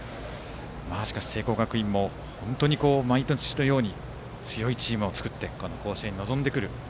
しかし、聖光学院も本当に毎年のように強いチームを作って甲子園に臨んでくる。